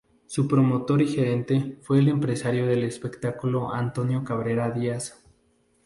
Su promotor y gerente fue el empresario del espectáculo Antonio Cabrera Díaz.